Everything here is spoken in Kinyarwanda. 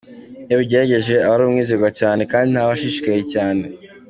Iyo abigerageje, aba aumwizerwa kandi ntaba ashishikaye cyane.